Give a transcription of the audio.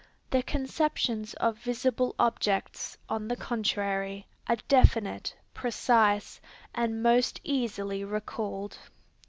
The conceptions of visible objects, on the contrary, are definite, precise, and most easily recalled.